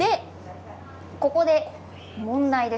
ここで問題です。